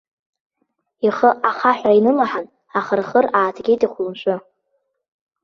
Ихы ахаҳәра инылаҳан, ахырхыр ааҭгеит ихәлымшәы.